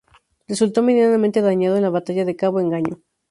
Resultó medianamente dañado en la batalla de Cabo Engaño.